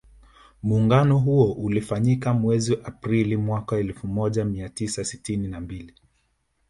Muungano huo ulifanyika mwezi April mwaka elfu moja mia tisa sitini na mbili